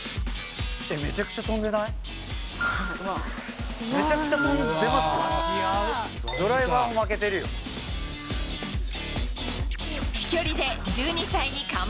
めちゃくちゃ飛んでない？